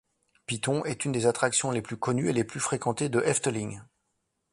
Python est une des attractions les plus connues et les plus fréquentées de Efteling.